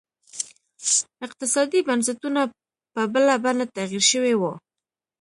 اقتصادي بنسټونه په بله بڼه تغیر شوي وو.